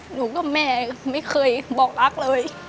หนูกับแม่ไม่เคยบอกรักเลย